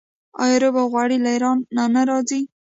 آیا رب او غوړي له ایران نه راځي؟